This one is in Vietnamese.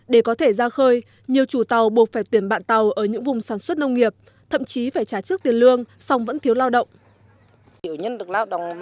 để có thể ra khơi nhiều chủ tàu buộc phải tuyển bạn tàu ở những vùng sản xuất nông nghiệp thậm chí phải trả trước tiền lương song vẫn thiếu lao động